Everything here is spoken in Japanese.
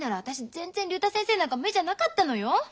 全然竜太先生なんか目じゃなかったのよ。